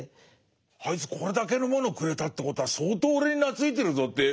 あいつこれだけのものをくれたということは相当俺に懐いてるぞって思うわけでしょ。